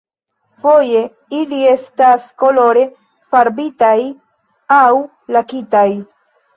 Foje ili estas kolore farbitaj aŭ lakitaj.